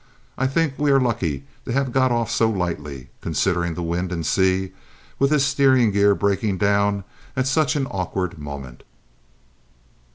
I think we are lucky to have got off so lightly, considering the wind and sea, with this steering gear breaking down at such an awkward moment!"